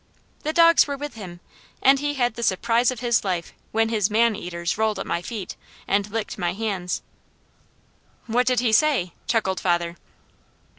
The dogs were with him and he had the surprise of his life when his man eaters rolled at my feet, and licked my hands." "What did he say?" chuckled father.